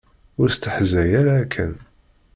Ur stehzay ara akken!